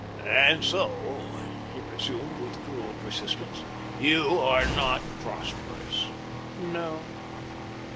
"And so." he resumed, with cruel persistence, "you are not prosperous ?" "No."